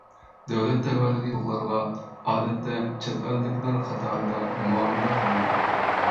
دۆلەت تەۋەلىكى يوقلارغا ئادەتتە چەت ئەللىكلەر قاتارىدا مۇئامىلە قىلىنىدۇ.